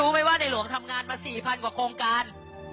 สวัสดีครับทุกคน